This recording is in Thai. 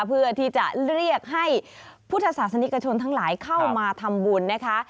เพื่อที่จะเรียกให้พุทธศาสนิกชนทั้งหลายเข้ามาทำบุญนะคะ